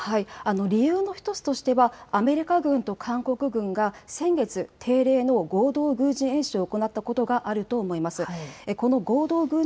理由の１つとしてはアメリカ軍と韓国軍が先月、定例の合同軍事演習を行ったことがあると思います。